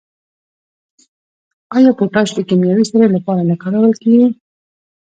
آیا پوټاش د کیمیاوي سرې لپاره نه کارول کیږي؟